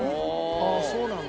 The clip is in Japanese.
ああそうなんだ。